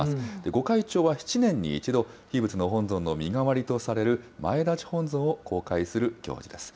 ご開帳は７年に一度、木仏の本尊の身代わりとされる前立本尊を公開する本尊です。